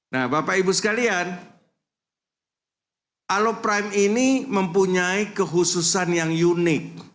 nah bapak ibu sekalian aloprime ini mempunyai kehususan yang unik